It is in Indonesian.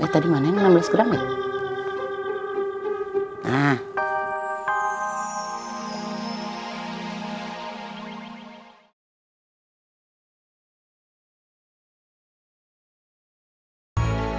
eh tadi mana yang enam belas gram ya